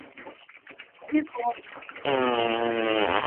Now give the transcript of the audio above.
ịrụ ọkụ